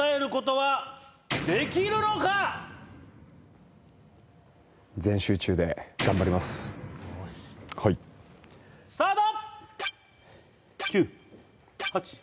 はいスタート！